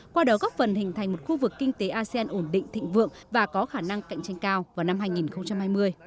qua đó góp phần hình thành một khu vực kinh tế asean ổn định thịnh vượng và có khả năng cạnh tranh cao vào năm hai nghìn hai mươi